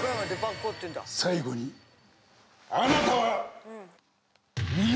最後にあなたは！え！？